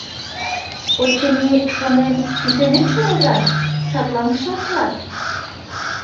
Очыни, шонем, кӱсенетше рожан, садлан кычалтылат..